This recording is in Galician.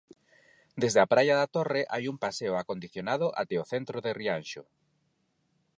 Desde a praia da Torre hai un paseo acondicionado até o centro de Rianxo.